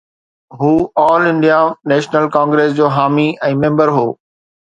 هو all India national congress جو حامي ۽ ميمبر هو